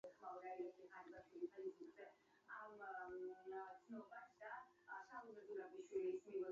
Nonetheless, consideration of the book has become moderately more favorable over time.